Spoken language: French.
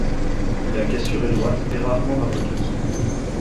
La cassure est droite et rarement raboteuse.